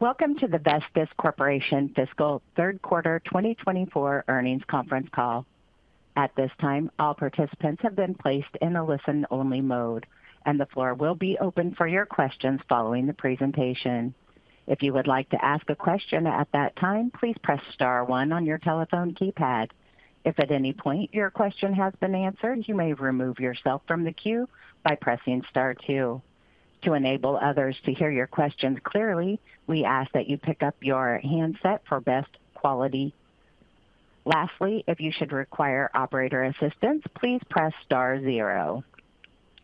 Welcome to the Vestis Corporation Fiscal Third Quarter 2024 Earnings Conference Call. At this time, all participants have been placed in a listen-only mode, and the floor will be open for your questions following the presentation. If you would like to ask a question at that time, please press Star one on your telephone keypad. If at any point your question has been answered, you may remove yourself from the queue by pressing Star two. To enable others to hear your questions clearly, we ask that you pick up your handset for best quality. Lastly, if you should require operator assistance, please press Star zero.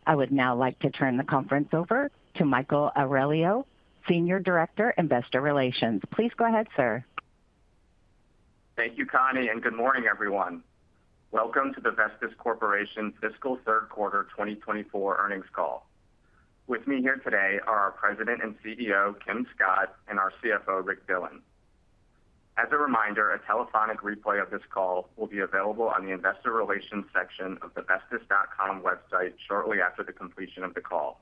I would now like to turn the conference over to Michael Aurelio, Senior Director, Investor Relations. Please go ahead, sir. Thank you, Connie, and good morning, everyone. Welcome to the Vestis Corporation Fiscal Third Quarter 2024 Earnings Call. With me here today are our President and CEO, Kim Scott, and our CFO, Rick Dillon. As a reminder, a telephonic replay of this call will be available on the Investor Relations section of the vestis.com website shortly after the completion of the call.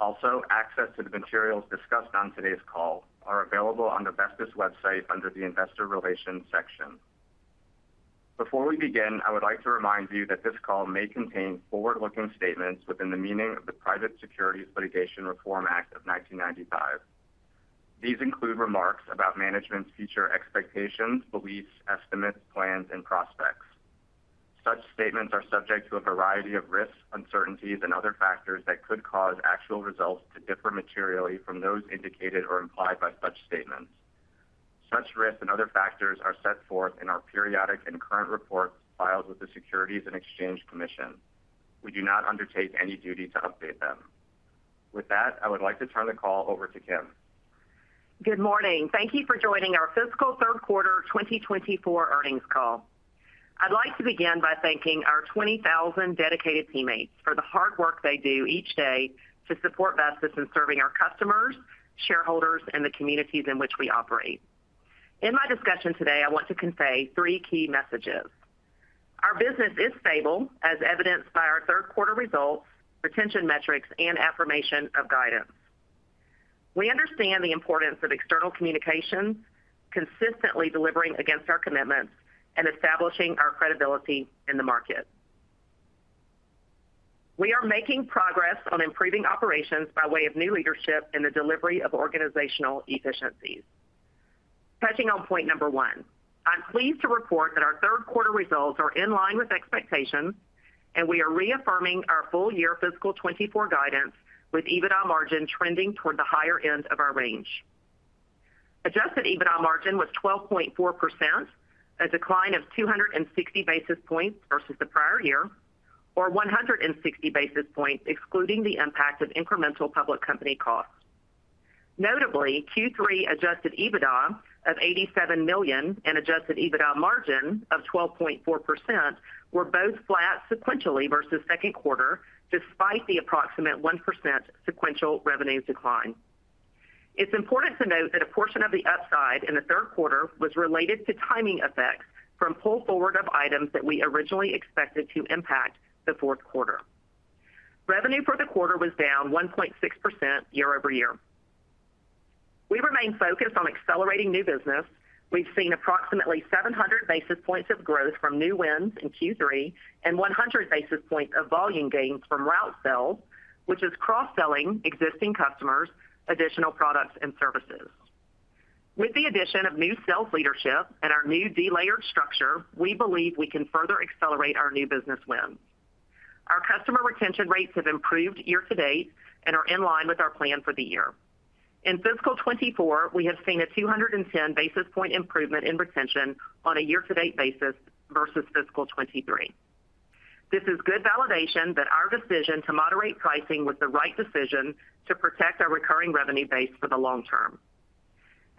Also, access to the materials discussed on today's call are available on the Vestis website under the Investor Relations section. Before we begin, I would like to remind you that this call may contain forward-looking statements within the meaning of the Private Securities Litigation Reform Act of 1995. These include remarks about management's future expectations, beliefs, estimates, plans, and prospects. Such statements are subject to a variety of risks, uncertainties, and other factors that could cause actual results to differ materially from those indicated or implied by such statements. Such risks and other factors are set forth in our periodic and current reports filed with the Securities and Exchange Commission. We do not undertake any duty to update them. With that, I would like to turn the call over to Kim. Good morning. Thank you for joining our Fiscal Third Quarter 2024 Earnings Call. I'd like to begin by thanking our 20,000 dedicated teammates for the hard work they do each day to support Vestis in serving our customers, shareholders, and the communities in which we operate. In my discussion today, I want to convey three key messages. Our business is stable, as evidenced by our third quarter results, retention metrics, and affirmation of guidance. We understand the importance of external communications, consistently delivering against our commitments, and establishing our credibility in the market. We are making progress on improving operations by way of new leadership and the delivery of organizational efficiencies. Touching on point number one, I'm pleased to report that our third quarter results are in line with expectations, and we are reaffirming our full year fiscal 2024 guidance with EBITDA margin trending toward the higher end of our range. Adjusted EBITDA margin was 12.4%, a decline of 260 basis points versus the prior year, or 160 basis points excluding the impact of incremental public company costs. Notably, Q3 adjusted EBITDA of $87 million and adjusted EBITDA margin of 12.4% were both flat sequentially versus second quarter, despite the approximate 1% sequential revenues decline. It's important to note that a portion of the upside in the third quarter was related to timing effects from pull forward of items that we originally expected to impact the fourth quarter. Revenue for the quarter was down 1.6% year-over-year. We remain focused on accelerating new business. We've seen approximately 700 basis points of growth from new wins in Q3 and 100 basis points of volume gains from route sales, which is cross-selling existing customers additional products and services. With the addition of new sales leadership and our new delayered structure, we believe we can further accelerate our new business wins. Our customer retention rates have improved year to date and are in line with our plan for the year. In fiscal 2024, we have seen a 210 basis point improvement in retention on a year-to-date basis versus fiscal 2023. This is good validation that our decision to moderate pricing was the right decision to protect our recurring revenue base for the long term.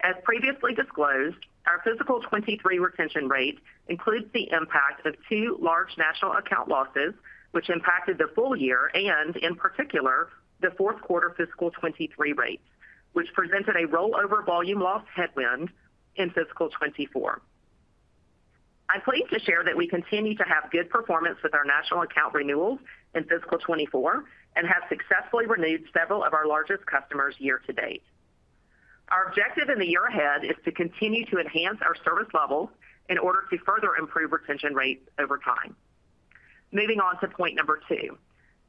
As previously disclosed, our fiscal 2023 retention rate includes the impact of two large national account losses, which impacted the full year and, in particular, the fourth quarter fiscal 2023 rates, which presented a rollover volume loss headwind in fiscal 2024. I'm pleased to share that we continue to have good performance with our national account renewals in fiscal 2024 and have successfully renewed several of our largest customers year to date. Our objective in the year ahead is to continue to enhance our service levels in order to further improve retention rates over time. Moving on to point number two,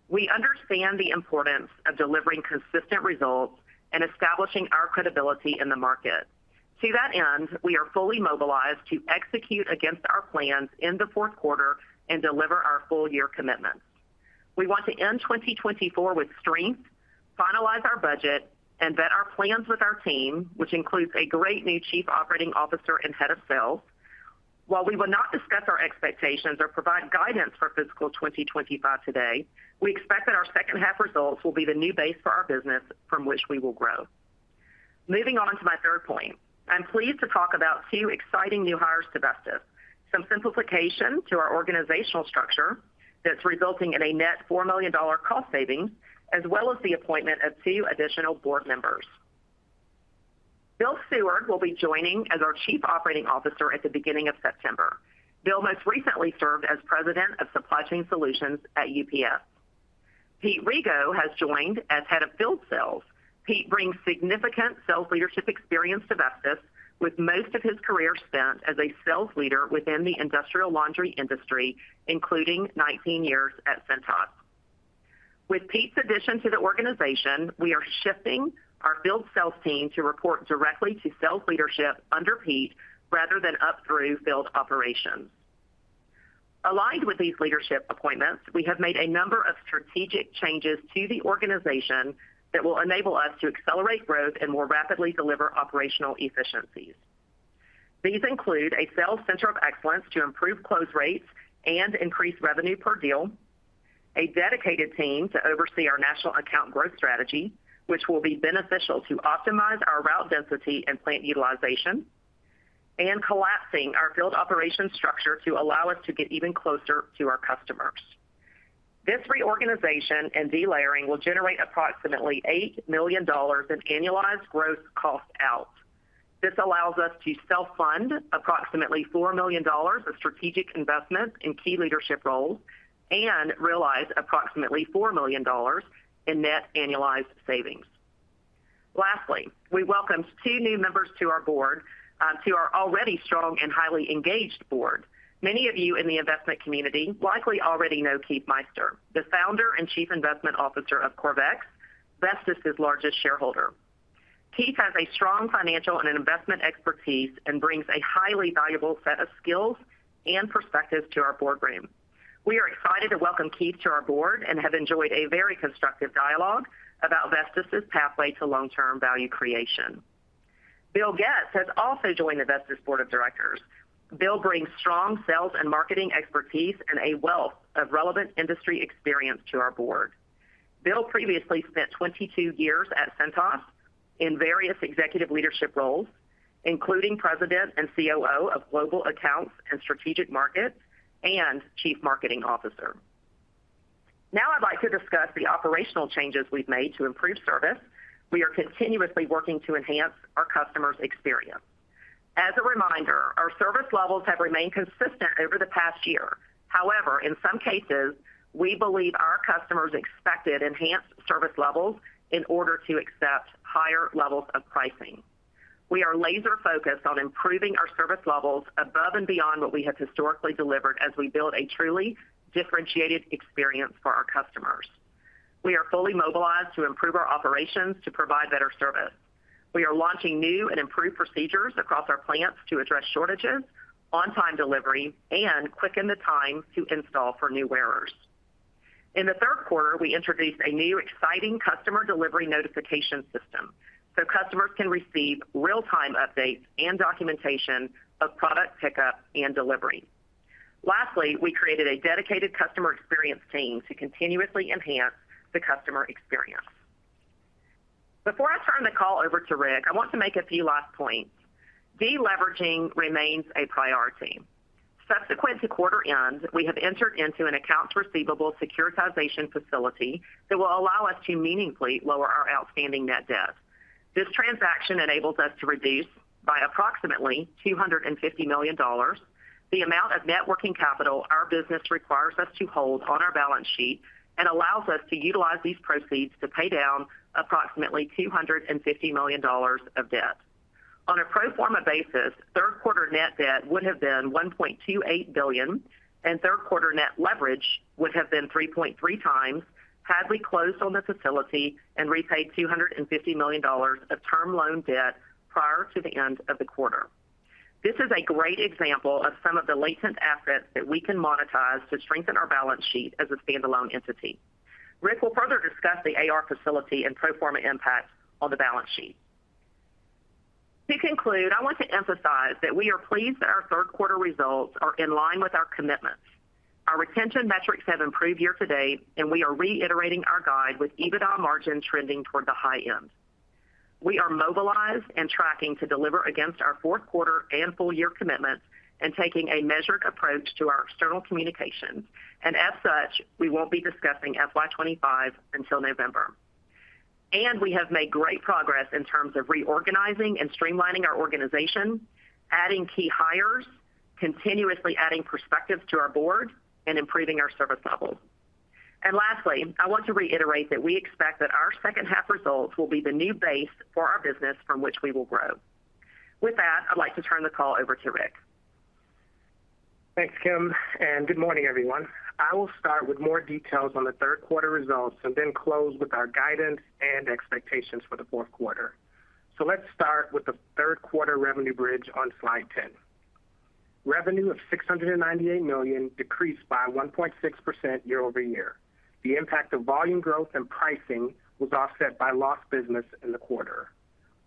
we understand the importance of delivering consistent results and establishing our credibility in the market. To that end, we are fully mobilized to execute against our plans in the fourth quarter and deliver our full year commitments. We want to end 2024 with strength, finalize our budget, and vet our plans with our team, which includes a great new Chief Operating Officer and Head of Sales. While we will not discuss our expectations or provide guidance for fiscal 2025 today, we expect that our second half results will be the new base for our business from which we will grow. Moving on to my third point, I'm pleased to talk about two exciting new hires to Vestis, some simplification to our organizational structure that's resulting in a net $4 million cost savings, as well as the appointment of two additional board members. Bill Seward will be joining as our Chief Operating Officer at the beginning of September. Bill most recently served as president of Supply Chain Solutions at UPS. Pete Rego has joined as Head of Field Sales. Pete brings significant sales leadership experience to Vestis, with most of his career spent as a sales leader within the industrial laundry industry, including 19 years at Cintas. With Pete's addition to the organization, we are shifting our field sales team to report directly to sales leadership under Pete rather than up through field operations. Aligned with these leadership appointments, we have made a number of strategic changes to the organization that will enable us to accelerate growth and more rapidly deliver operational efficiencies. These include a sales center of excellence to improve close rates and increase revenue per deal, a dedicated team to oversee our national account growth strategy, which will be beneficial to optimize our route density and plant utilization, and collapsing our field operations structure to allow us to get even closer to our customers. This reorganization and delayering will generate approximately $8 million in annualized gross cost out. This allows us to self-fund approximately $4 million of strategic investments in key leadership roles and realize approximately $4 million in net annualized savings. Lastly, we welcome two new members to our board, to our already strong and highly engaged board. Many of you in the investment community likely already know Keith Meister, the founder and chief investment officer of Corvex, Vestis' largest shareholder. Keith has a strong financial and investment expertise and brings a highly valuable set of skills and perspectives to our boardroom. We are excited to welcome Keith to our board and have enjoyed a very constructive dialogue about Vestis' pathway to long-term value creation. Bill Goetz has also joined the Vestis Board of Directors. Bill brings strong sales and marketing expertise and a wealth of relevant industry experience to our board. Bill previously spent 22 years at Cintas in various executive leadership roles, including President and COO of Global Accounts and Strategic Markets and Chief Marketing Officer. Now I'd like to discuss the operational changes we've made to improve service. We are continuously working to enhance our customers' experience. As a reminder, our service levels have remained consistent over the past year. However, in some cases, we believe our customers expected enhanced service levels in order to accept higher levels of pricing. We are laser-focused on improving our service levels above and beyond what we have historically delivered as we build a truly differentiated experience for our customers. We are fully mobilized to improve our operations to provide better service. We are launching new and improved procedures across our plants to address shortages, on-time delivery, and quicken the time to install for new wearers. In the third quarter, we introduced a new exciting customer delivery notification system so customers can receive real-time updates and documentation of product pickup and delivery. Lastly, we created a dedicated customer experience team to continuously enhance the customer experience. Before I turn the call over to Rick, I want to make a few last points. Deleveraging remains a priority. Subsequent to quarter end, we have entered into an accounts receivable securitization facility that will allow us to meaningfully lower our outstanding net debt. This transaction enables us to reduce by approximately $250 million the amount of working capital our business requires us to hold on our balance sheet and allows us to utilize these proceeds to pay down approximately $250 million of debt. On a pro forma basis, third quarter net debt would have been $1.28 billion, and third quarter net leverage would have been 3.3x, had we closed on the facility and repaid $250 million of term loan debt prior to the end of the quarter. This is a great example of some of the latent assets that we can monetize to strengthen our balance sheet as a standalone entity. Rick will further discuss the AR facility and pro forma impact on the balance sheet. To conclude, I want to emphasize that we are pleased that our third quarter results are in line with our commitments. Our retention metrics have improved year to date, and we are reiterating our guide with EBITDA margin trending toward the high end. We are mobilized and tracking to deliver against our fourth quarter and full year commitments and taking a measured approach to our external communications. And as such, we won't be discussing FY25 until November. And we have made great progress in terms of reorganizing and streamlining our organization, adding key hires, continuously adding perspectives to our board, and improving our service levels. And lastly, I want to reiterate that we expect that our second half results will be the new base for our business from which we will grow. With that, I'd like to turn the call over to Rick. Thanks, Kim. Good morning, everyone. I will start with more details on the third quarter results and then close with our guidance and expectations for the fourth quarter. Let's start with the third quarter revenue bridge on slide 10. Revenue of $698 million decreased by 1.6% year-over-year. The impact of volume growth and pricing was offset by lost business in the quarter.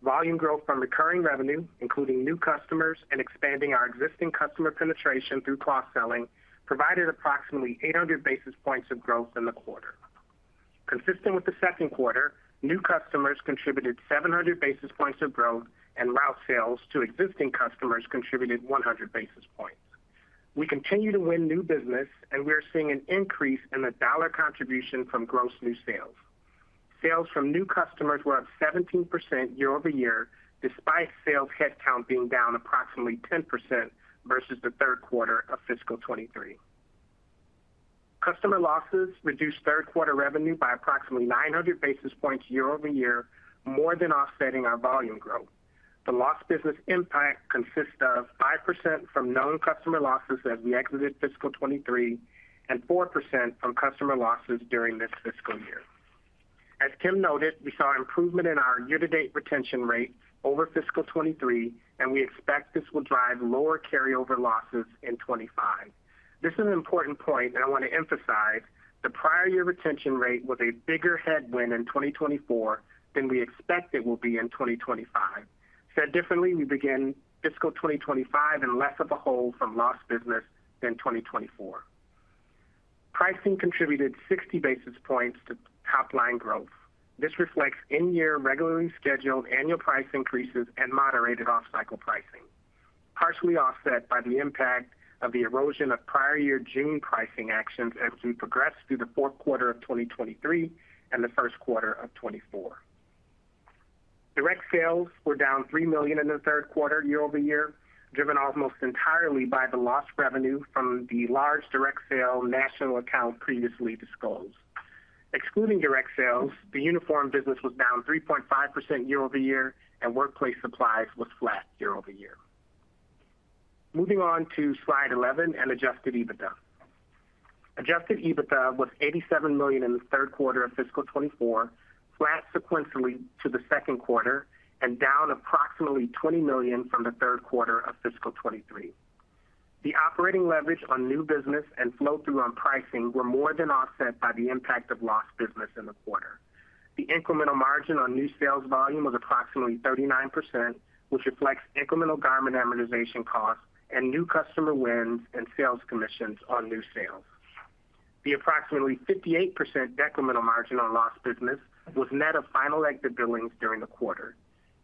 Volume growth from recurring revenue, including new customers and expanding our existing customer penetration through cross-selling, provided approximately 800 basis points of growth in the quarter. Consistent with the second quarter, new customers contributed 700 basis points of growth, and route sales to existing customers contributed 100 basis points. We continue to win new business, and we are seeing an increase in the dollar contribution from gross new sales. Sales from new customers were up 17% year-over-year, despite sales headcount being down approximately 10% versus the third quarter of fiscal 2023. Customer losses reduced third quarter revenue by approximately 900 basis points year-over-year, more than offsetting our volume growth. The lost business impact consists of 5% from known customer losses as we exited fiscal 2023 and 4% from customer losses during this fiscal year. As Kim noted, we saw improvement in our year-to-date retention rate over fiscal 2023, and we expect this will drive lower carryover losses in 2025. This is an important point, and I want to emphasize the prior year retention rate was a bigger headwind in 2024 than we expect it will be in 2025. Said differently, we begin fiscal 2025 in less of a hole from lost business than 2024. Pricing contributed 60 basis points to top-line growth. This reflects in-year regularly scheduled annual price increases and moderated off-cycle pricing, partially offset by the impact of the erosion of prior year June pricing actions as we progressed through the fourth quarter of 2023 and the first quarter of 2024. Direct sales were down $3 million in the third quarter year-over-year, driven almost entirely by the lost revenue from the large direct sale national account previously disclosed. Excluding direct sales, the uniform business was down 3.5% year-over-year, and workplace supplies were flat year-over-year. Moving on to Slide 11 and Adjusted EBITDA. Adjusted EBITDA was $87 million in the third quarter of fiscal 2024, flat sequentially to the second quarter, and down approximately $20 million from the third quarter of fiscal 2023. The operating leverage on new business and flow-through on pricing were more than offset by the impact of lost business in the quarter. The incremental margin on new sales volume was approximately 39%, which reflects incremental garment amortization costs and new customer wins and sales commissions on new sales. The approximately 58% decremental margin on lost business was net of final exit billings during the quarter.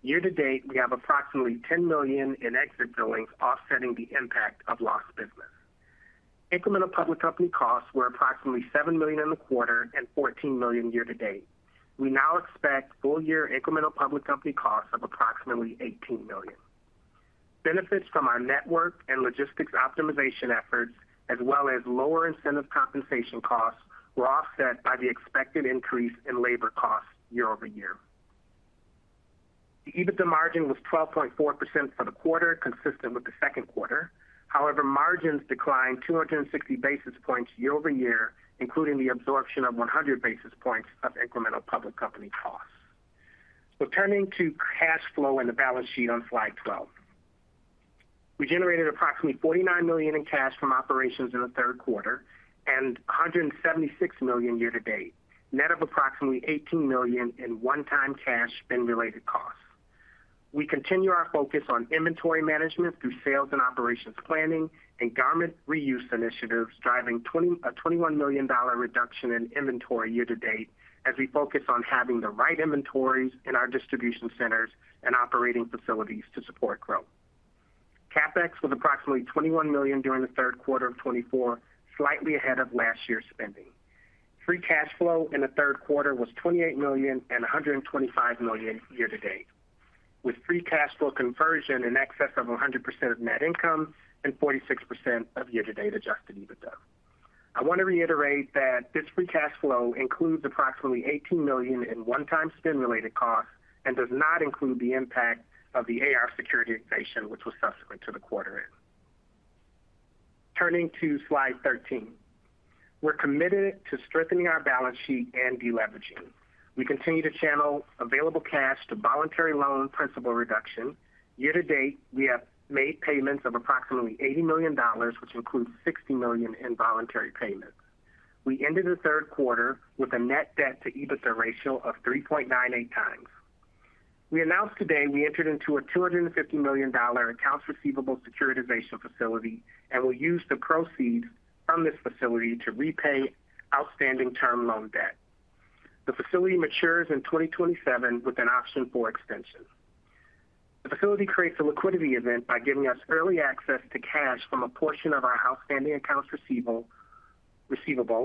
Year-to-date, we have approximately $10 million in exit billings offsetting the impact of lost business. Incremental public company costs were approximately $7 million in the quarter and $14 million year-to-date. We now expect full-year incremental public company costs of approximately $18 million. Benefits from our network and logistics optimization efforts, as well as lower incentive compensation costs, were offset by the expected increase in labor costs year-over-year. The EBITDA margin was 12.4% for the quarter, consistent with the second quarter. However, margins declined 260 basis points year-over-year, including the absorption of 100 basis points of incremental public company costs. Returning to cash flow in the balance sheet on slide 12, we generated approximately $49 million in cash from operations in the third quarter and $176 million year-to-date, net of approximately $18 million in one-time cash and related costs. We continue our focus on inventory management through sales and operations planning and garment reuse initiatives, driving a $21 million reduction in inventory year-to-date as we focus on having the right inventories in our distribution centers and operating facilities to support growth. CapEx was approximately $21 million during the third quarter of 2024, slightly ahead of last year's spending. Free cash flow in the third quarter was $28 million and $125 million year-to-date, with free cash flow conversion in excess of 100% of net income and 46% of year-to-date Adjusted EBITDA. I want to reiterate that this free cash flow includes approximately $18 million in one-time spend-related costs and does not include the impact of the AR securitization, which was subsequent to the quarter end. Turning to Slide 13, we're committed to strengthening our balance sheet and deleveraging. We continue to channel available cash to voluntary loan principal reduction. Year-to-date, we have made payments of approximately $80 million, which includes $60 million in voluntary payments. We ended the third quarter with a net debt-to-Adjusted EBITDA ratio of 3.98x. We announced today we entered into a $250 million accounts receivable securitization facility and will use the proceeds from this facility to repay outstanding term loan debt. The facility matures in 2027 with an option for extension. The facility creates a liquidity event by giving us early access to cash from a portion of our outstanding accounts receivable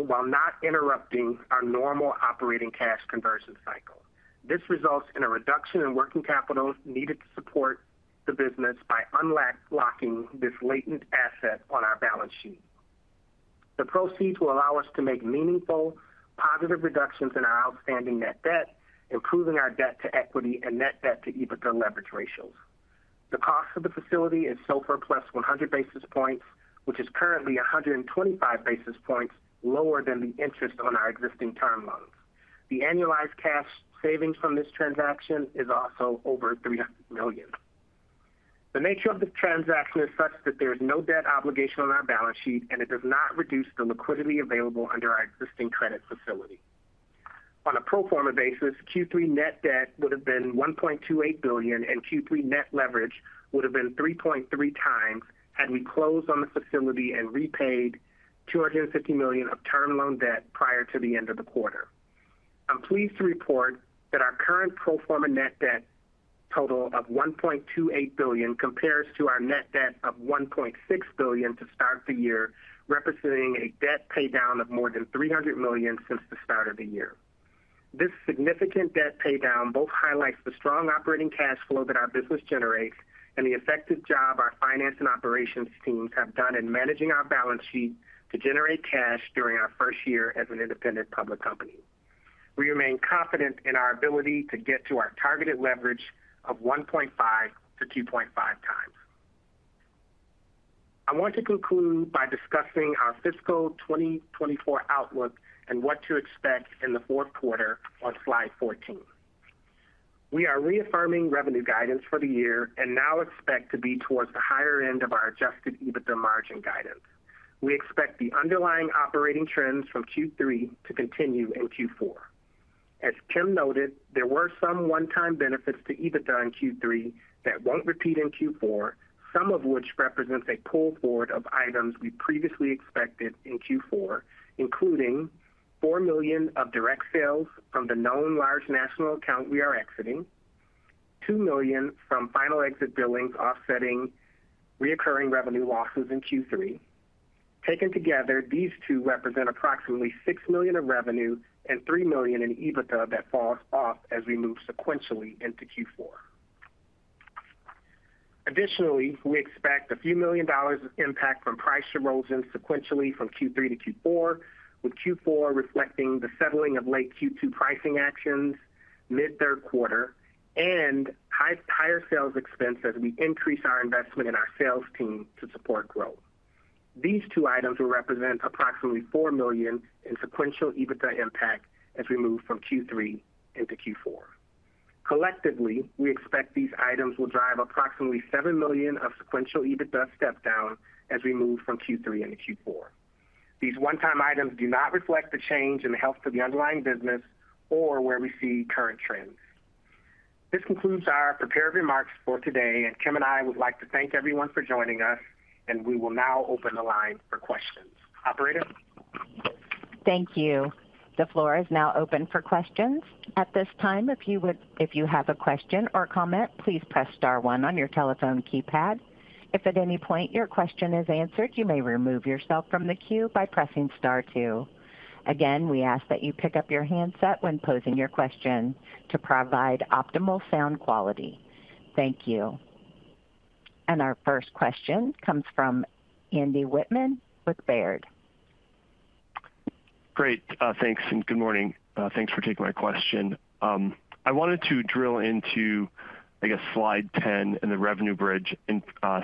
while not interrupting our normal operating cash conversion cycle. This results in a reduction in working capital needed to support the business by unlocking this latent asset on our balance sheet. The proceeds will allow us to make meaningful, positive reductions in our outstanding net debt, improving our debt-to-equity and net debt-to-EBITDA leverage ratios. The cost of the facility is SOFR plus 100 basis points, which is currently 125 basis points lower than the interest on our existing term loans. The annualized cash savings from this transaction is also over $300 million. The nature of the transaction is such that there is no debt obligation on our balance sheet, and it does not reduce the liquidity available under our existing credit facility. On a pro forma basis, Q3 net debt would have been $1.28 billion, and Q3 net leverage would have been 3.3x had we closed on the facility and repaid $250 million of term loan debt prior to the end of the quarter. I'm pleased to report that our current pro forma net debt total of $1.28 billion compares to our net debt of $1.6 billion to start the year, representing a debt paydown of more than $300 million since the start of the year. This significant debt paydown both highlights the strong operating cash flow that our business generates and the effective job our finance and operations teams have done in managing our balance sheet to generate cash during our first year as an independent public company. We remain confident in our ability to get to our targeted leverage of 1.5x-2.5x. I want to conclude by discussing our fiscal 2024 outlook and what to expect in the fourth quarter on slide 14. We are reaffirming revenue guidance for the year and now expect to be towards the higher end of our Adjusted EBITDA margin guidance. We expect the underlying operating trends from Q3 to continue in Q4. As Kim noted, there were some one-time benefits to EBITDA in Q3 that won't repeat in Q4, some of which represents a pull forward of items we previously expected in Q4, including $4 million of direct sales from the known large national account we are exiting, $2 million from final exit billings offsetting recurring revenue losses in Q3. Taken together, these two represent approximately $6 million of revenue and $3 million in EBITDA that falls off as we move sequentially into Q4. Additionally, we expect a few million dollars of impact from price erosion sequentially from Q3 to Q4, with Q4 reflecting the settling of late Q2 pricing actions mid-third quarter and higher sales expense as we increase our investment in our sales team to support growth. These two items will represent approximately $4 million in sequential EBITDA impact as we move from Q3 into Q4. Collectively, we expect these items will drive approximately $7 million of sequential EBITDA step-down as we move from Q3 into Q4. These one-time items do not reflect the change in the health of the underlying business or where we see current trends. This concludes our prepared remarks for today, and Kim and I would like to thank everyone for joining us, and we will now open the line for questions. Operator? Thank you. The floor is now open for questions. At this time, if you have a question or comment, please press star one on your telephone keypad. If at any point your question is answered, you may remove yourself from the queue by pressing star two. Again, we ask that you pick up your handset when posing your question to provide optimal sound quality. Thank you. Our first question comes from Andy Wittmann with Baird. Great. Thanks. Good morning. Thanks for taking my question. I wanted to drill into, I guess, slide 10 and the revenue bridge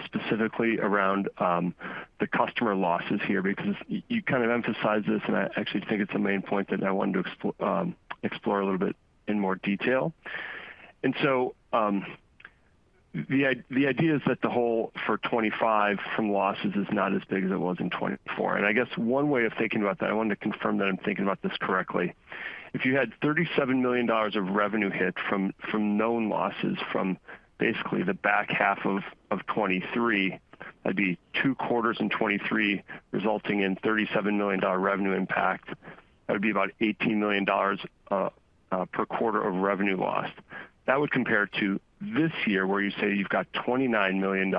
specifically around the customer losses here because you kind of emphasized this, and I actually think it's a main point that I wanted to explore a little bit in more detail. So the idea is that the hole for 2025 from losses is not as big as it was in 2024. And I guess one way of thinking about that, I wanted to confirm that I'm thinking about this correctly. If you had $37 million of revenue hit from known losses from basically the back half of 2023, that'd be two quarters in 2023 resulting in $37 million revenue impact. That would be about $18 million per quarter of revenue lost. That would compare to this year where you say you've got $29 million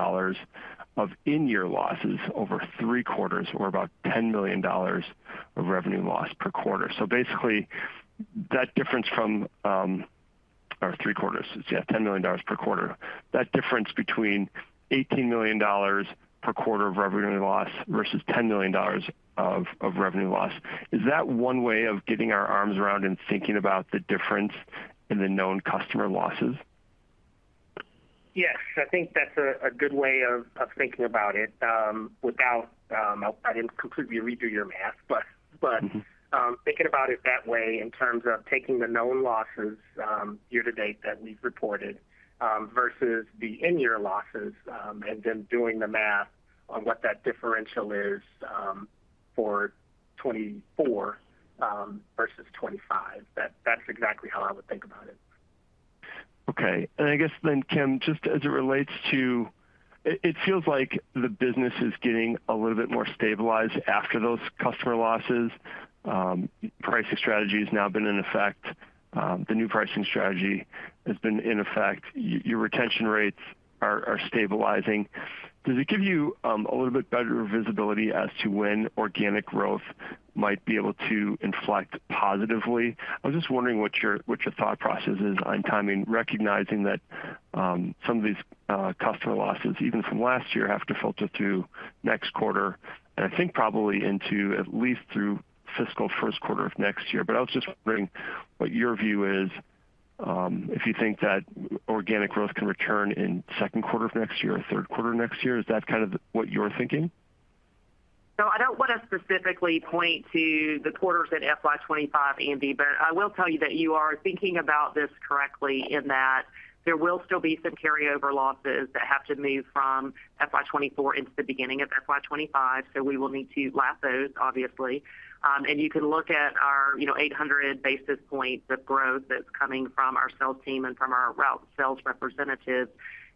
of in-year losses over three quarters or about $10 million of revenue lost per quarter. So basically, that difference from our three quarters, yeah, $10 million per quarter, that difference between $18 million per quarter of revenue loss versus $10 million of revenue loss, is that one way of getting our arms around and thinking about the difference in the known customer losses? Yes. I think that's a good way of thinking about it. I didn't completely redo your math, but thinking about it that way in terms of taking the known losses year-to-date that we've reported versus the in-year losses and then doing the math on what that differential is for 2024 versus 2025, that's exactly how I would think about it. Okay. I guess then, Kim, just as it relates to it feels like the business is getting a little bit more stabilized after those customer losses. Pricing strategy has now been in effect. The new pricing strategy has been in effect. Your retention rates are stabilizing. Does it give you a little bit better visibility as to when organic growth might be able to inflect positively? I'm just wondering what your thought process is on timing, recognizing that some of these customer losses, even from last year, have to filter through next quarter and I think probably into at least through fiscal first quarter of next year. I was just wondering what your view is if you think that organic growth can return in second quarter of next year or third quarter of next year. Is that kind of what you're thinking? No, I don't want to specifically point to the quarters in FY25, Andy, but I will tell you that you are thinking about this correctly in that there will still be some carryover losses that have to move from FY24 into the beginning of FY25, so we will need to lap those, obviously. And you can look at our 800 basis points of growth that's coming from our sales team and from our sales representatives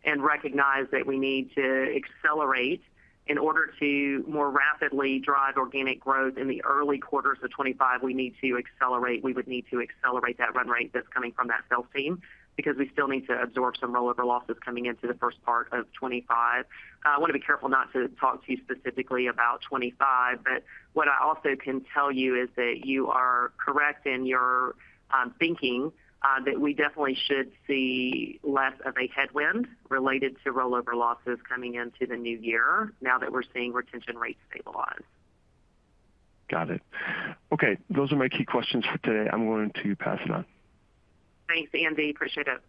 and recognize that we need to accelerate in order to more rapidly drive organic growth in the early quarters of 2025. We need to accelerate. We would need to accelerate that run rate that's coming from that sales team because we still need to absorb some rollover losses coming into the first part of 2025. I want to be careful not to talk to you specifically about 2025, but what I also can tell you is that you are correct in your thinking that we definitely should see less of a headwind related to rollover losses coming into the new year now that we're seeing retention rates stabilize. Got it. Okay. Those are my key questions for today. I'm going to pass it on. Thanks, Andy. Appreciate it.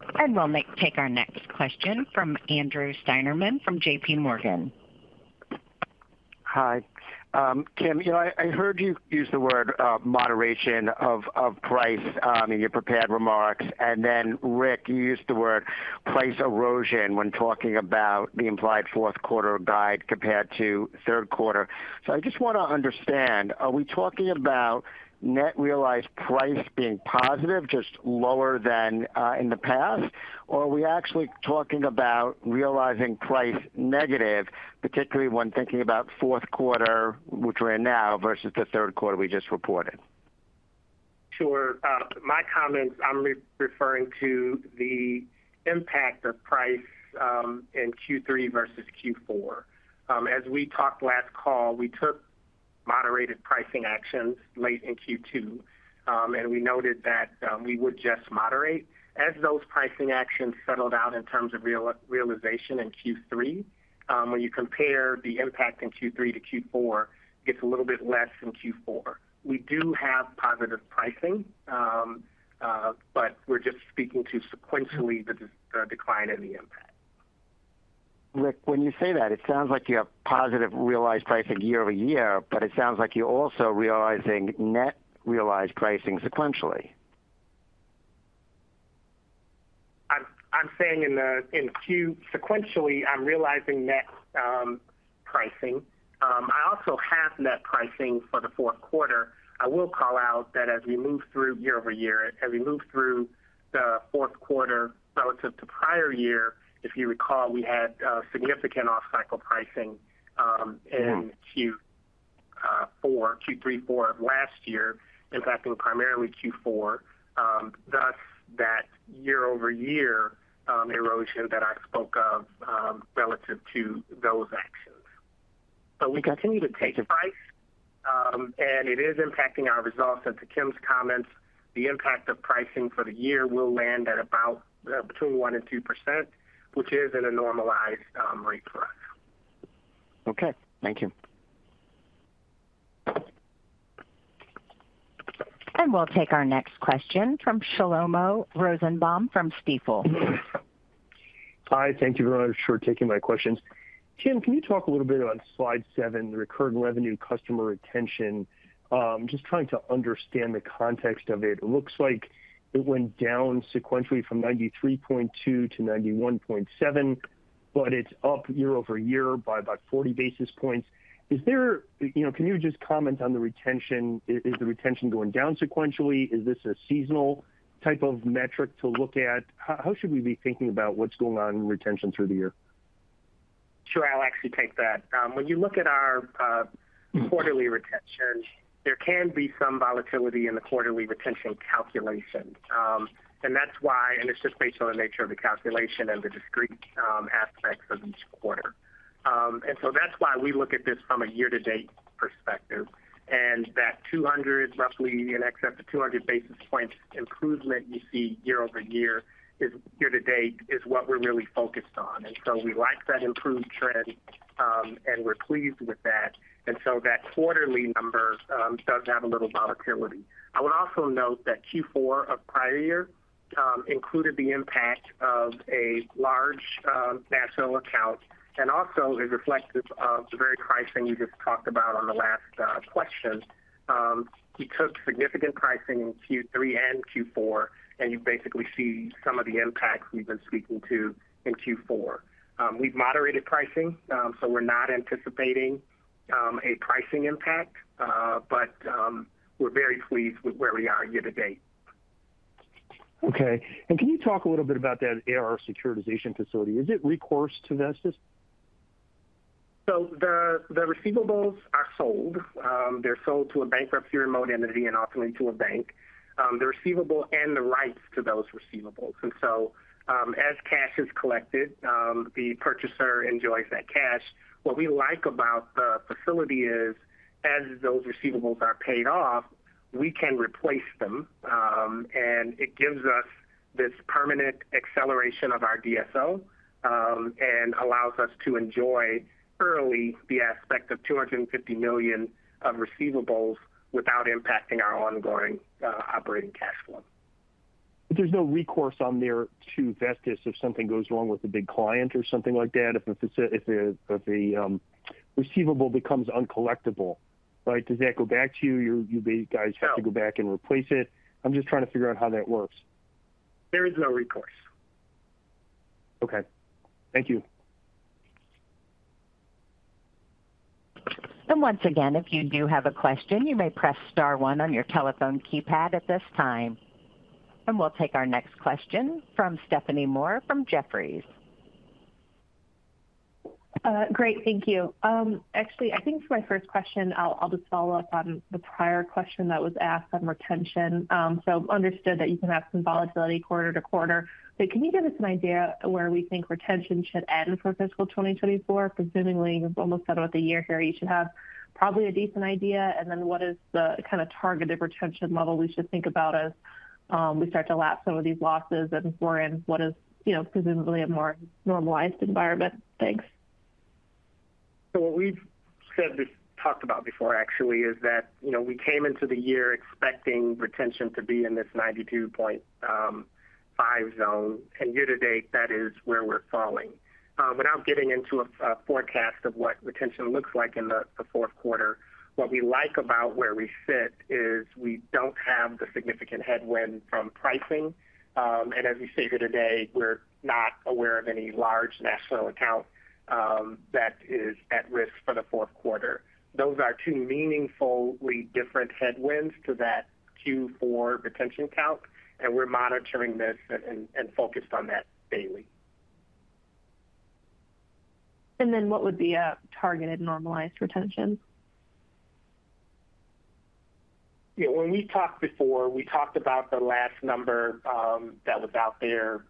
We'll take our next question from Andrew Steinerman from JPMorgan. Hi, Kim. I heard you use the word moderation of price in your prepared remarks. And then, Rick, you used the word price erosion when talking about the implied fourth quarter guide compared to third quarter. So I just want to understand, are we talking about net realized price being positive, just lower than in the past, or are we actually talking about realizing price negative, particularly when thinking about fourth quarter, which we're in now, versus the third quarter we just reported? Sure. My comments, I'm referring to the impact of price in Q3 versus Q4. As we talked last call, we took moderated pricing actions late in Q2, and we noted that we would just moderate. As those pricing actions settled out in terms of realization in Q3, when you compare the impact in Q3 to Q4, it gets a little bit less in Q4. We do have positive pricing, but we're just speaking to sequentially the decline in the impact. Rick, when you say that, it sounds like you have positive realized pricing year-over-year, but it sounds like you're also realizing net realized pricing sequentially. I'm saying in Q sequentially, I'm realizing net pricing. I also have net pricing for the fourth quarter. I will call out that as we move through year-over-year, as we move through the fourth quarter relative to prior year, if you recall, we had significant off-cycle pricing in Q3, Q4 of last year, impacting primarily Q4, thus that year-over-year erosion that I spoke of relative to those actions. So we continue to take. Pricing, and it is impacting our results. To Kim's comments, the impact of pricing for the year will land at about between 1% and 2%, which is at a normalized rate for us. Okay. Thank you. We'll take our next question from Shlomo Rosenbaum from Stifel. Hi. Thank you very much for taking my questions. Kim, can you talk a little bit on slide seven, the recurring revenue customer retention? Just trying to understand the context of it. It looks like it went down sequentially from 93.2 to 91.7, but it's up year-over-year by about 40 basis points. Can you just comment on the retention? Is the retention going down sequentially? Is this a seasonal type of metric to look at? How should we be thinking about what's going on in retention through the year? Sure. I'll actually take that. When you look at our quarterly retention, there can be some volatility in the quarterly retention calculation. That's why, and it's just based on the nature of the calculation and the discrete aspects of each quarter. So that's why we look at this from a year-to-date perspective. That 200, roughly in excess of 200 basis points improvement you see year-over-year year-to-date is what we're really focused on. So we like that improved trend, and we're pleased with that. So that quarterly number does have a little volatility. I would also note that Q4 of prior year included the impact of a large national account and also is reflective of the very pricing we just talked about on the last question. We took significant pricing in Q3 and Q4, and you basically see some of the impacts we've been speaking to in Q4. We've moderated pricing, so we're not anticipating a pricing impact, but we're very pleased with where we are year-to-date. Okay. And can you talk a little bit about that AR securitization facility? Is it recourse to Vestis? So the receivables are sold. They're sold to a bankruptcy remote entity and ultimately to a bank, the receivable and the rights to those receivables. And so as cash is collected, the purchaser enjoys that cash. What we like about the facility is as those receivables are paid off, we can replace them, and it gives us this permanent acceleration of our DSO and allows us to enjoy early the aspect of $250 million of receivables without impacting our ongoing operating cash flow. But there's no recourse on there to Vestis if something goes wrong with a big client or something like that, if a receivable becomes uncollectible, right? Does that go back to you? You guys have to go back and replace it? I'm just trying to figure out how that works. There is no recourse. Okay. Thank you. Once again, if you do have a question, you may press star one on your telephone keypad at this time. We'll take our next question from Stephanie Moore from Jefferies. Great. Thank you. Actually, I think for my first question, I'll just follow up on the prior question that was asked on retention. So, understood that you can have some volatility quarter to quarter, but can you give us an idea where we think retention should end for fiscal 2024? Presumably, we're almost done with the year here. You should probably have a decent idea. And then, what is the kind of targeted retention level we should think about as we start to lap some of these losses and we're in what is presumably a more normalized environment? Thanks. So what we've talked about before, actually, is that we came into the year expecting retention to be in this 92.5 zone, and year-to-date, that is where we're falling. Without getting into a forecast of what retention looks like in the fourth quarter, what we like about where we sit is we don't have the significant headwind from pricing. And as we say here today, we're not aware of any large national account that is at risk for the fourth quarter. Those are two meaningfully different headwinds to that Q4 retention count, and we're monitoring this and focused on that daily. What would be a targeted normalized retention? Yeah. When we talked before, we talked about the last number that was out there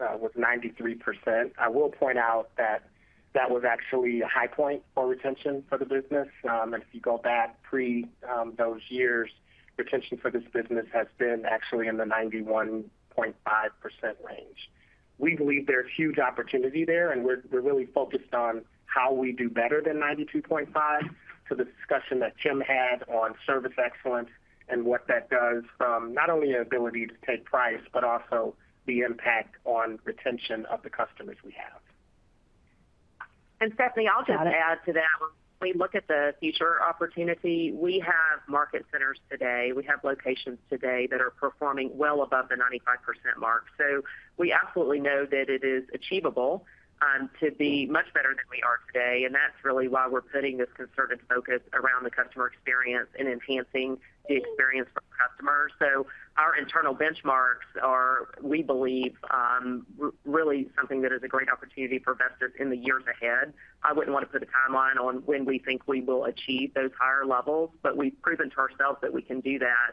was 93%. I will point out that that was actually a high point for retention for the business. And if you go back pre those years, retention for this business has been actually in the 91.5% range. We believe there's huge opportunity there, and we're really focused on how we do better than 92.5. So the discussion that Kim had on service excellence and what that does from not only an ability to take price, but also the impact on retention of the customers we have. And Stephanie, I'll just add to that. When we look at the future opportunity, we have market centers today. We have locations today that are performing well above the 95% mark. So we absolutely know that it is achievable to be much better than we are today. And that's really why we're putting this concerted focus around the customer experience and enhancing the experience for customers. So our internal benchmarks are, we believe, really something that is a great opportunity for Vestis in the years ahead. I wouldn't want to put a timeline on when we think we will achieve those higher levels, but we've proven to ourselves that we can do that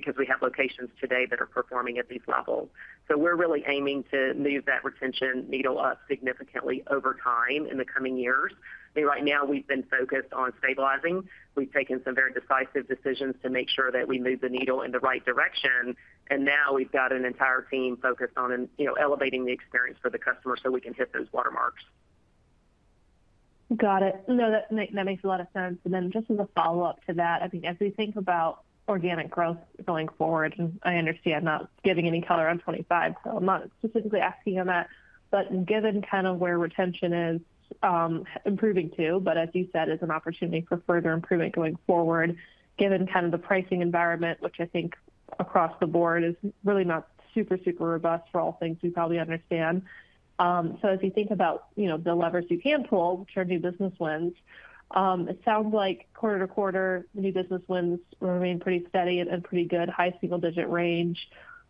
because we have locations today that are performing at these levels. So we're really aiming to move that retention needle up significantly over time in the coming years. I mean, right now, we've been focused on stabilizing. We've taken some very decisive decisions to make sure that we move the needle in the right direction. And now we've got an entire team focused on elevating the experience for the customer so we can hit those watermarks. Got it. No, that makes a lot of sense. Then just as a follow-up to that, I mean, as we think about organic growth going forward, and I understand not giving any color on 2025, so I'm not specifically asking on that, but given kind of where retention is improving too, but as you said, it's an opportunity for further improvement going forward, given kind of the pricing environment, which I think across the board is really not super, super robust for all things we probably understand. So as you think about the levers you can pull, which are new business wins, it sounds like quarter to quarter, the new business wins remain pretty steady and pretty good, high single-digit range.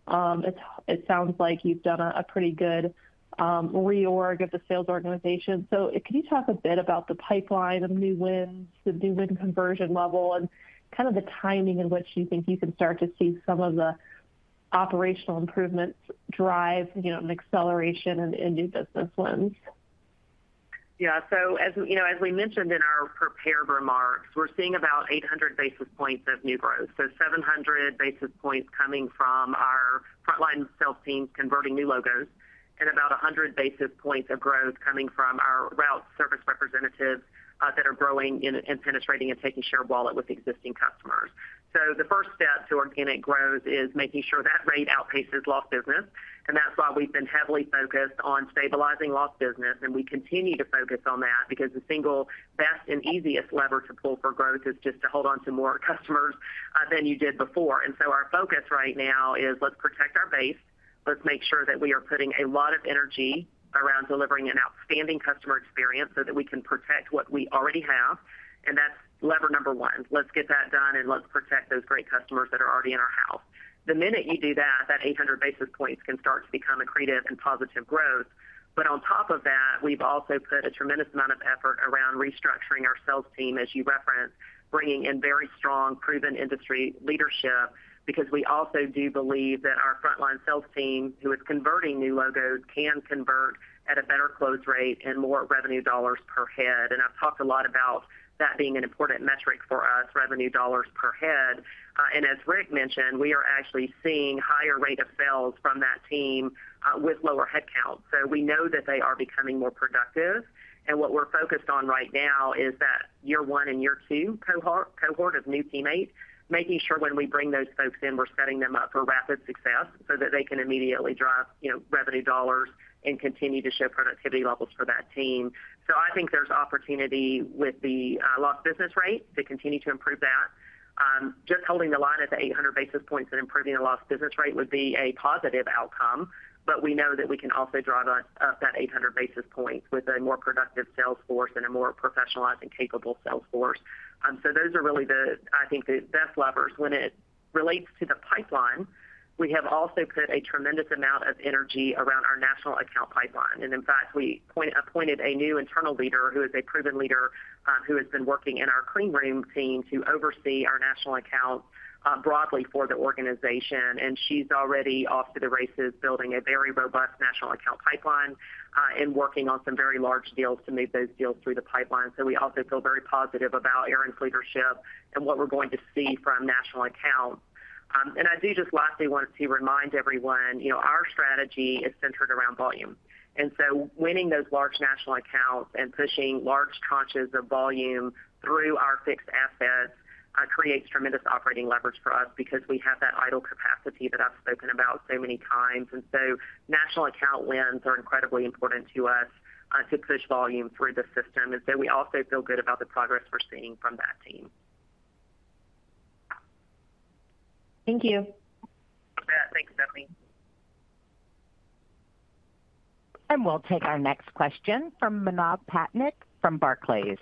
It sounds like you've done a pretty good reorg of the sales organization. Can you talk a bit about the pipeline of new wins, the new win conversion level, and kind of the timing in which you think you can start to see some of the operational improvements drive an acceleration in new business wins? Yeah. So as we mentioned in our prepared remarks, we're seeing about 800 basis points of new growth. So 700 basis points coming from our frontline sales teams converting new logos and about 100 basis points of growth coming from our route service representatives that are growing and penetrating and taking share of wallet with existing customers. So the first step to organic growth is making sure that rate outpaces lost business. And that's why we've been heavily focused on stabilizing lost business. And we continue to focus on that because the single best and easiest lever to pull for growth is just to hold on to more customers than you did before. And so our focus right now is let's protect our base. Let's make sure that we are putting a lot of energy around delivering an outstanding customer experience so that we can protect what we already have. That's lever number one. Let's get that done, and let's protect those great customers that are already in our house. The minute you do that, that 800 basis points can start to become a creative and positive growth. But on top of that, we've also put a tremendous amount of effort around restructuring our sales team, as you referenced, bringing in very strong proven industry leadership because we also do believe that our frontline sales team, who is converting new logos, can convert at a better close rate and more revenue dollars per head. And I've talked a lot about that being an important metric for us, revenue dollars per head. And as Rick mentioned, we are actually seeing a higher rate of sales from that team with lower headcount. So we know that they are becoming more productive. What we're focused on right now is that year one and year two cohort of new teammates, making sure when we bring those folks in, we're setting them up for rapid success so that they can immediately drive revenue dollars and continue to show productivity levels for that team. I think there's opportunity with the lost business rate to continue to improve that. Just holding the line at the 800 basis points and improving the lost business rate would be a positive outcome, but we know that we can also drive up that 800 basis points with a more productive sales force and a more professionalized and capable sales force. Those are really, I think, the best levers. When it relates to the pipeline, we have also put a tremendous amount of energy around our national account pipeline. In fact, we appointed a new internal leader who is a proven leader who has been working in our clean room team to oversee our national account broadly for the organization. She's already off to the races building a very robust national account pipeline and working on some very large deals to move those deals through the pipeline. So we also feel very positive about Erin's leadership and what we're going to see from national accounts. I do just lastly want to remind everyone, our strategy is centered around volume. So winning those large national accounts and pushing large tranches of volume through our fixed assets creates tremendous operating leverage for us because we have that idle capacity that I've spoken about so many times. So national account wins are incredibly important to us to push volume through the system. We also feel good about the progress we're seeing from that team. Thank you. Thanks, Stephanie. We'll take our next question from Manav Patnaik from Barclays.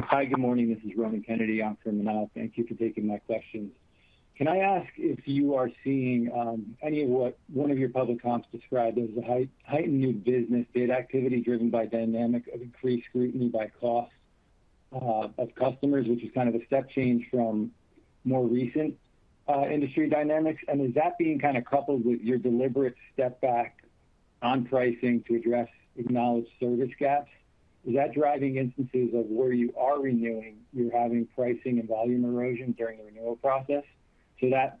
Hi, good morning. This is Ronan Kennedy from Manav. Thank you for taking my questions. Can I ask if you are seeing any of what one of your public comps described as a heightened new business, data activity driven by dynamic of increased scrutiny by cost of customers, which is kind of a step change from more recent industry dynamics? And is that being kind of coupled with your deliberate step back on pricing to address acknowledged service gaps? Is that driving instances of where you are renewing, you're having pricing and volume erosion during the renewal process? So that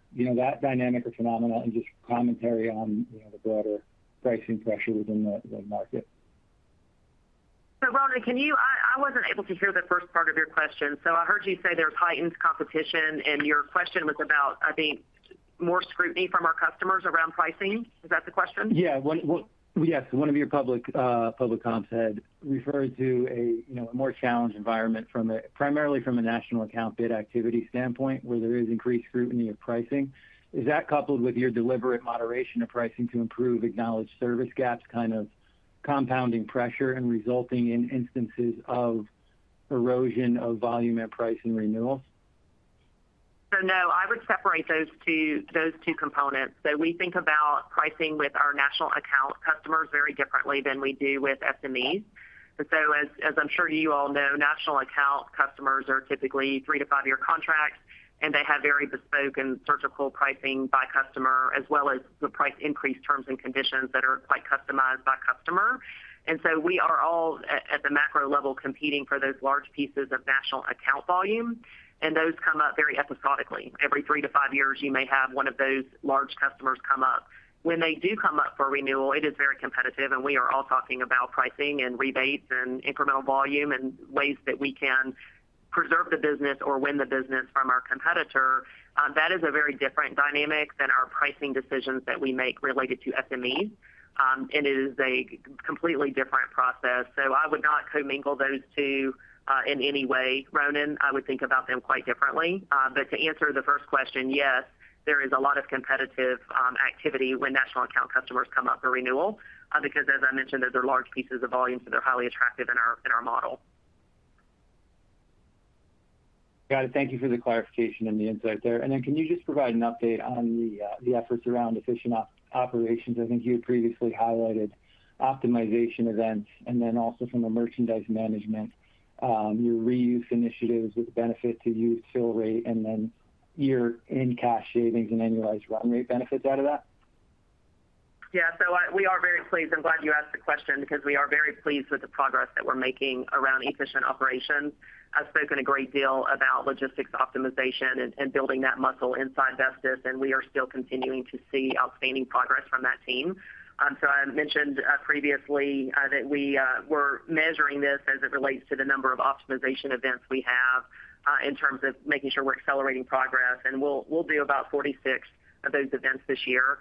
dynamic or phenomenon and just commentary on the broader pricing pressure within the market. Ronan, I wasn't able to hear the first part of your question. I heard you say there's heightened competition, and your question was about, I think, more scrutiny from our customers around pricing. Is that the question? Yeah. Yes. One of your public comps had referred to a more challenged environment primarily from a national account bid activity standpoint where there is increased scrutiny of pricing. Is that coupled with your deliberate moderation of pricing to improve acknowledged service gaps, kind of compounding pressure and resulting in instances of erosion of volume at price and renewals? So no, I would separate those two components. So we think about pricing with our national account customers very differently than we do with SMEs. And so as I'm sure you all know, national account customers are typically three to five-year contracts, and they have very bespoke and surgical pricing by customer as well as the price increase terms and conditions that are quite customized by customer. And so we are all at the macro level competing for those large pieces of national account volume, and those come up very episodically. Every three to five years, you may have one of those large customers come up. When they do come up for renewal, it is very competitive, and we are all talking about pricing and rebates and incremental volume and ways that we can preserve the business or win the business from our competitor. That is a very different dynamic than our pricing decisions that we make related to SMEs, and it is a completely different process. So I would not commingle those two in any way. Ronan, I would think about them quite differently. But to answer the first question, yes, there is a lot of competitive activity when national account customers come up for renewal because, as I mentioned, those are large pieces of volume that are highly attractive in our model. Got it. Thank you for the clarification and the insight there. And then can you just provide an update on the efforts around efficient operations? I think you had previously highlighted optimization events and then also from a merchandise management, your reuse initiatives with benefit to used fill rate, and then your in-cash savings and annualized run rate benefits out of that? Yeah. So we are very pleased. I'm glad you asked the question because we are very pleased with the progress that we're making around efficient operations. I've spoken a great deal about logistics optimization and building that muscle inside Vestis, and we are still continuing to see outstanding progress from that team. So I mentioned previously that we were measuring this as it relates to the number of optimization events we have in terms of making sure we're accelerating progress. And we'll do about 46 of those events this year.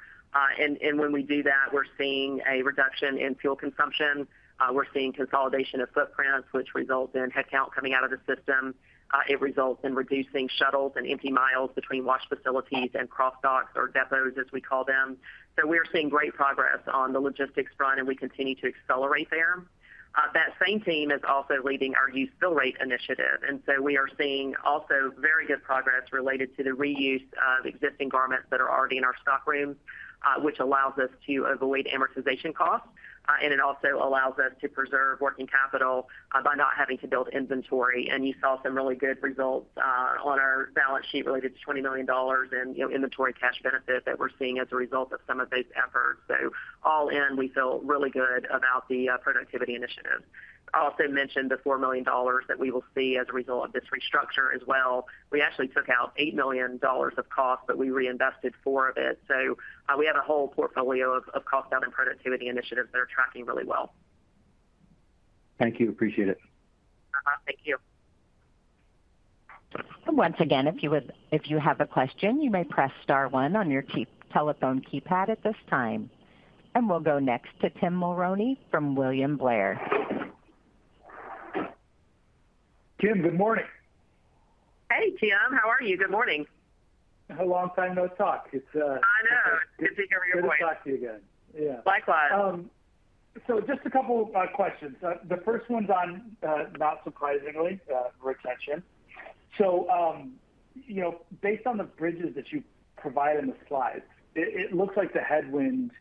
And when we do that, we're seeing a reduction in fuel consumption. We're seeing consolidation of footprints, which results in headcount coming out of the system. It results in reducing shuttles and empty miles between wash facilities and cross docks or depots, as we call them. So we are seeing great progress on the logistics front, and we continue to accelerate there. That same team is also leading our use fill rate initiative. And so we are seeing also very good progress related to the reuse of existing garments that are already in our stockrooms, which allows us to avoid amortization costs. And it also allows us to preserve working capital by not having to build inventory. And you saw some really good results on our balance sheet related to $20 million in inventory cash benefit that we're seeing as a result of some of those efforts. So all in, we feel really good about the productivity initiative. I also mentioned the $4 million that we will see as a result of this restructure as well. We actually took out $8 million of cost, but we reinvested four of it. We have a whole portfolio of cost-down and productivity initiatives that are tracking really well. Thank you. Appreciate it. Thank you. Once again, if you have a question, you may press star one on your telephone keypad at this time. We'll go next to Tim Mulrooney from William Blair. Tim, Good morning. Hey, Tim. How are you? Good morning. How long time no talk. I know. It's good to hear your voice. Nice to talk to you again. Likewise. Just a couple of questions. The first one's on, not surprisingly, retention. Based on the bridges that you provide in the slides, it looks like the headwind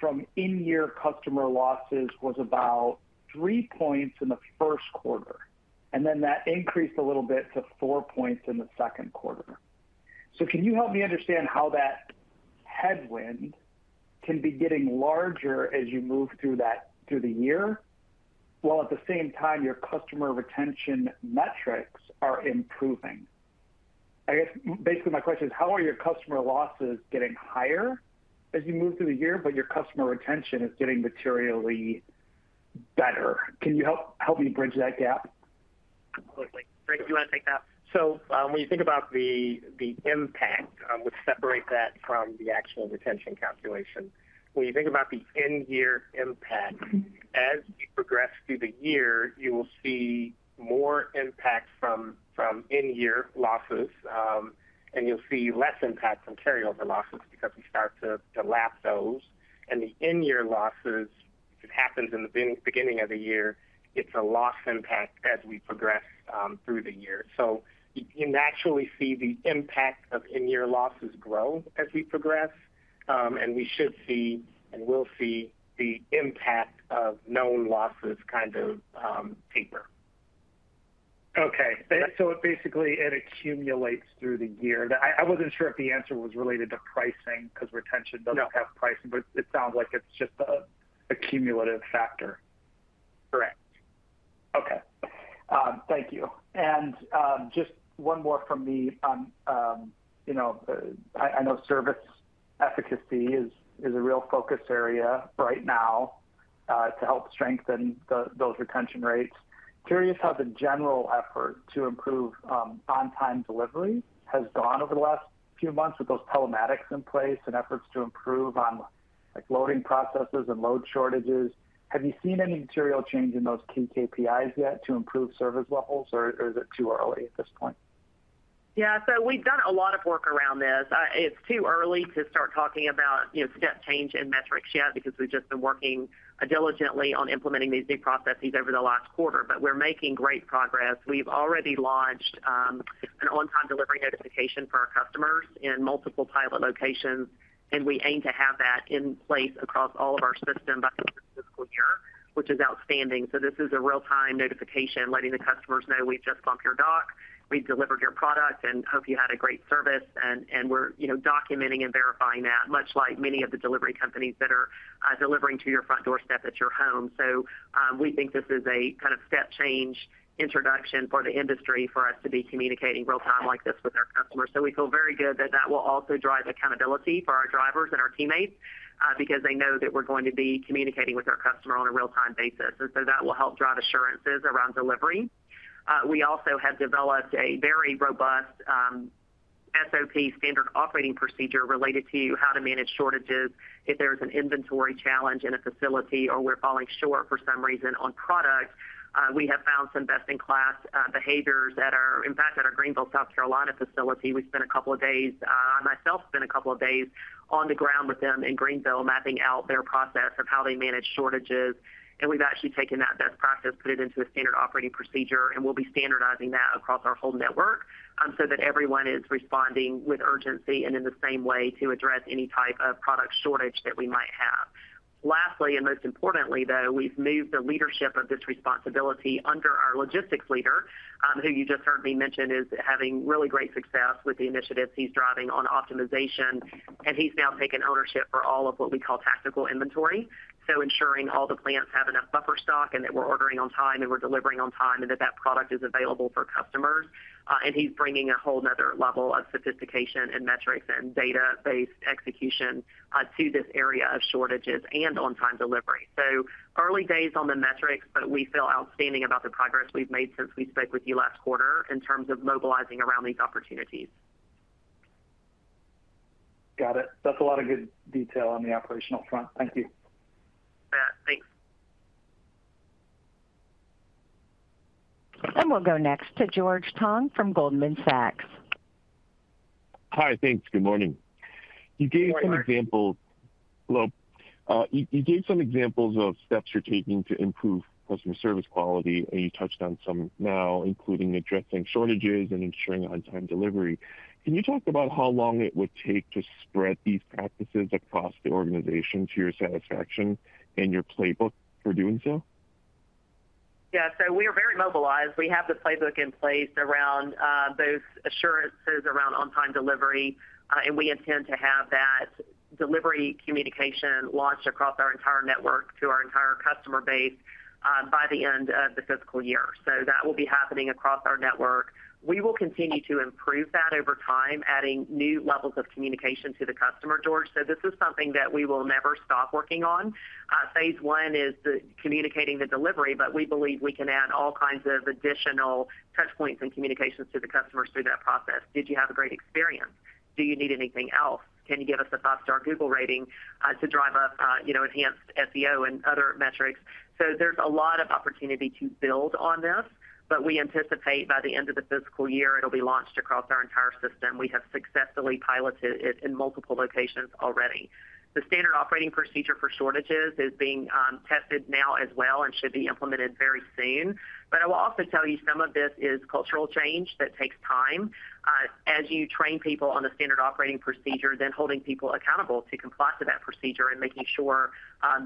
from in-year customer losses was about 3 points in the first quarter, and then that increased a little bit to 4 points in the second quarter. Can you help me understand how that headwind can be getting larger as you move through the year while at the same time your customer retention metrics are improving? I guess basically my question is, how are your customer losses getting higher as you move through the year, but your customer retention is getting materially better? Can you help me bridge that gap? Absolutely. Rick, do you want to take that? So when you think about the impact, we'll separate that from the actual retention calculation. When you think about the in-year impact, as you progress through the year, you will see more impact from in-year losses, and you'll see less impact from carryover losses because we start to lap those. And the in-year losses, it happens in the beginning of the year. It's a loss impact as we progress through the year. So you naturally see the impact of in-year losses grow as we progress, and we should see and will see the impact of known losses kind of taper. Okay. So it basically accumulates through the year. I wasn't sure if the answer was related to pricing because retention doesn't have pricing, but it sounds like it's just a cumulative factor. Correct. Okay. Thank you. Just one more from me. I know service efficacy is a real focus area right now to help strengthen those retention rates. Curious how the general effort to improve on-time delivery has gone over the last few months with those telematics in place and efforts to improve on loading processes and load shortages. Have you seen any material change in those key KPIs yet to improve service levels, or is it too early at this point? Yeah. So we've done a lot of work around this. It's too early to start talking about step change in metrics yet because we've just been working diligently on implementing these new processes over the last quarter, but we're making great progress. We've already launched an on-time delivery notification for our customers in multiple pilot locations, and we aim to have that in place across all of our systems by the end of the fiscal year, which is outstanding. So this is a real-time notification letting the customers know we've just bumped your dock, we've delivered your product, and hope you had a great service, and we're documenting and verifying that, much like many of the delivery companies that are delivering to your front doorstep at your home. So we think this is a kind of step change introduction for the industry for us to be communicating real-time like this with our customers. So we feel very good that that will also drive accountability for our drivers and our teammates because they know that we're going to be communicating with our customer on a real-time basis. And so that will help drive assurances around delivery. We also have developed a very robust SOP standard operating procedure related to how to manage shortages if there is an inventory challenge in a facility or we're falling short for some reason on product. We have found some best-in-class behaviors that are in fact at our Greenville, South Carolina facility. We spent a couple of days. I myself spent a couple of days on the ground with them in Greenville mapping out their process of how they manage shortages. And we've actually taken that best practice, put it into a standard operating procedure, and we'll be standardizing that across our whole network so that everyone is responding with urgency and in the same way to address any type of product shortage that we might have. Lastly, and most importantly though, we've moved the leadership of this responsibility under our logistics leader, who you just heard me mention is having really great success with the initiatives he's driving on optimization, and he's now taken ownership for all of what we call tactical inventory. So ensuring all the plants have enough buffer stock and that we're ordering on time and we're delivering on time and that that product is available for customers. And he's bringing a whole another level of sophistication and metrics and data-based execution to this area of shortages and on-time delivery. Early days on the metrics, but we feel outstanding about the progress we've made since we spoke with you last quarter in terms of mobilizing around these opportunities. Got it. That's a lot of good detail on the operational front. Thank you. Thanks. We'll go next to George Tong from Goldman Sachs. Hi, thanks. Good morning. You gave some examples, well, you gave some examples of steps you're taking to improve customer service quality, and you touched on some now, including addressing shortages and ensuring on-time delivery. Can you talk about how long it would take to spread these practices across the organization to your satisfaction and your playbook for doing so? Yeah. So we are very mobilized. We have the playbook in place around those assurances around on-time delivery, and we intend to have that delivery communication launched across our entire network to our entire customer base by the end of the fiscal year. So that will be happening across our network. We will continue to improve that over time, adding new levels of communication to the customer, George. So this is something that we will never stop working on. Phase one is communicating the delivery, but we believe we can add all kinds of additional touchpoints and communications to the customers through that process. Did you have a great experience? Do you need anything else? Can you give us a five-star Google rating to drive up enhanced SEO and other metrics? So there's a lot of opportunity to build on this, but we anticipate by the end of the fiscal year it'll be launched across our entire system. We have successfully piloted it in multiple locations already. The standard operating procedure for shortages is being tested now as well and should be implemented very soon. But I will also tell you some of this is cultural change that takes time, as you train people on the standard operating procedure, then holding people accountable to comply to that procedure and making sure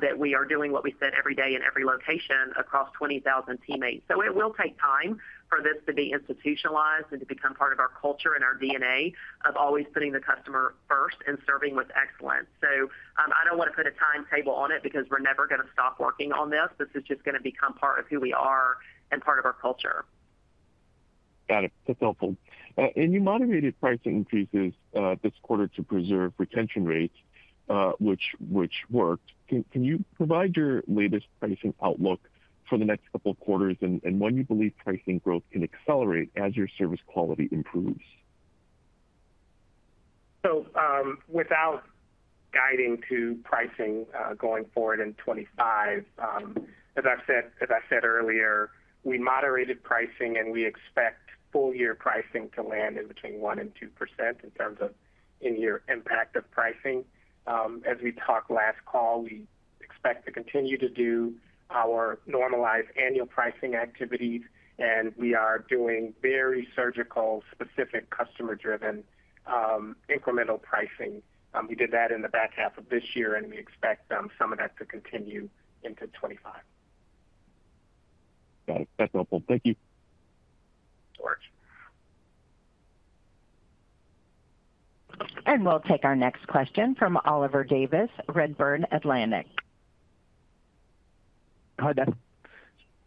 that we are doing what we said every day in every location across 20,000 teammates. So it will take time for this to be institutionalized and to become part of our culture and our DNA of always putting the customer first and serving with excellence. I don't want to put a timetable on it because we're never going to stop working on this. This is just going to become part of who we are and part of our culture. Got it. That's helpful. You moderated price increases this quarter to preserve retention rates, which worked. Can you provide your latest pricing outlook for the next couple of quarters and when you believe pricing growth can accelerate as your service quality improves? So without guiding to pricing going forward in 2025, as I said earlier, we moderated pricing, and we expect full-year pricing to land in between 1% and 2% in terms of in-year impact of pricing. As we talked last call, we expect to continue to do our normalized annual pricing activities, and we are doing very surgical, specific, customer-driven incremental pricing. We did that in the back half of this year, and we expect some of that to continue into 2025. Got it. That's helpful. Thank you. George. We'll take our next question from Oliver Davies, Redburn Atlantic. Hi, there.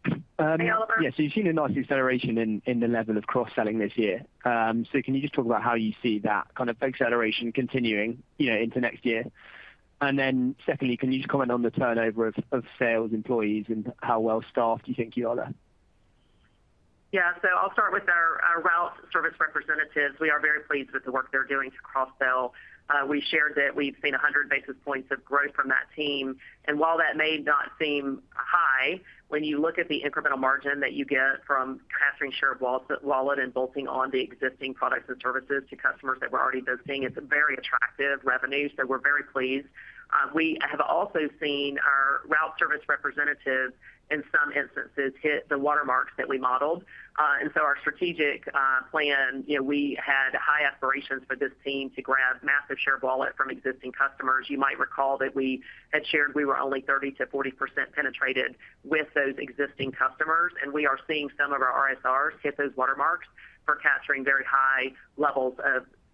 Hey, Oliver. Yeah. You've seen a nice acceleration in the level of cross-selling this year. Can you just talk about how you see that kind of acceleration continuing into next year? Secondly, can you just comment on the turnover of sales employees and how well-staffed you think you are there? Yeah. So I'll start with our Route Service Representatives. We are very pleased with the work they're doing to cross-sell. We shared that we've seen 100 basis points of growth from that team. And while that may not seem high, when you look at the incremental margin that you get from transferring share of wallet and bolting on the existing products and services to customers that we're already visiting, it's a very attractive revenue. So we're very pleased. We have also seen our Route Service Representative, in some instances, hit the watermarks that we modeled. And so our strategic plan, we had high aspirations for this team to grab massive share of wallet from existing customers. You might recall that we had shared we were only 30%-40% penetrated with those existing customers, and we are seeing some of our RSRs hit those watermarks for capturing very high levels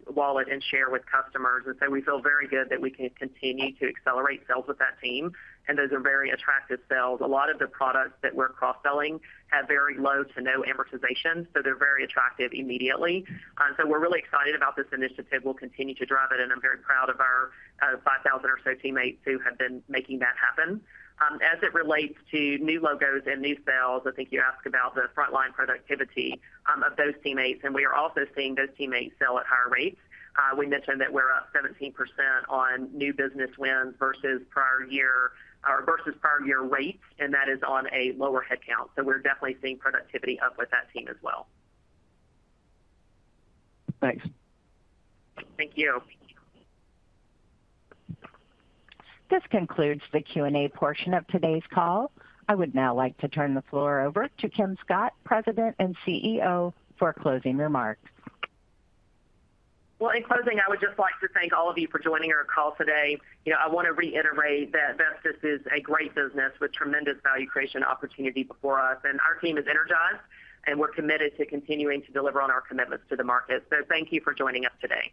of wallet and share with customers. And so we feel very good that we can continue to accelerate sales with that team, and those are very attractive sales. A lot of the products that we're cross-selling have very low to no amortization, so they're very attractive immediately. So we're really excited about this initiative. We'll continue to drive it, and I'm very proud of our 5,000 or so teammates who have been making that happen. As it relates to new logos and new sales, I think you asked about the frontline productivity of those teammates, and we are also seeing those teammates sell at higher rates. We mentioned that we're up 17% on new business wins versus prior year rates, and that is on a lower headcount. So we're definitely seeing productivity up with that team as well. Thanks. Thank you. This concludes the Q&A portion of today's call. I would now like to turn the floor over to Kim Scott, President and CEO, for closing remarks. Well, in closing, I would just like to thank all of you for joining our call today. I want to reiterate that Vestis is a great business with tremendous value creation opportunity before us, and our team is energized, and we're committed to continuing to deliver on our commitments to the market. So thank you for joining us today.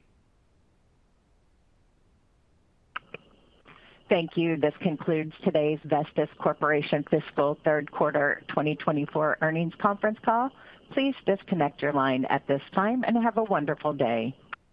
Thank you. This concludes today's Vestis Corporation Fiscal Third Quarter 2024 Earnings Conference Call. Please disconnect your line at this time and have a wonderful day.